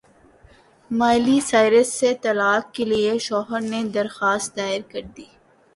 Miley Cyrus سے طلاق کے لیے شوہر نے درخواست دائر کردی